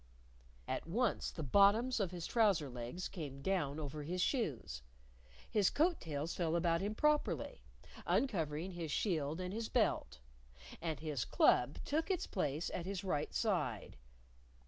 At once, the bottoms of his trouser legs came down over his shoes, his coat tails fell about him properly, uncovering his shield and his belt, and his club took its place at his right side.